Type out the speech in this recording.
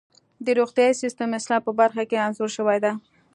د روغتیايي سیستم اصلاح په برخه کې انځور شوې ده.